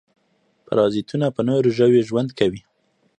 پرازیتونه په نورو ژویو ژوند کوي